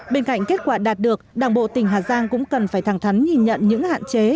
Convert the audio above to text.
bên cạnh kết quả đạt được đảng bộ tỉnh hà giang cũng cần phải thẳng thắn nhìn nhận những hạn chế